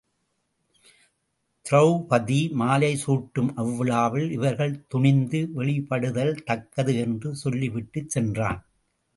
திரெளபதி மாலை சூட்டும் அவ் விழாவில் இவர்கள் துணிந்து வெளிப்படுதல் தக்கது என்று சொல்லிவிட்டுச் சென்றான்.